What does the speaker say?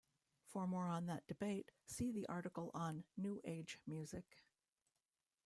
For more on that debate, see the article on new-age music.